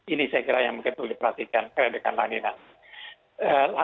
ini saya kira yang mungkin perlu diperhatikan kredekan lanina